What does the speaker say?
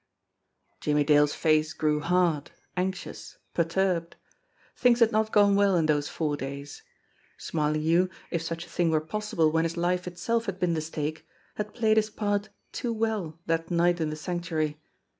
Jimmie Dale's face grew hard, anxious, perturbed. Things had not gone well in those four days. Smarlinghue, if such a thing were possible when his life itself had been the stake, had played his part too well that night in the Sanctuary!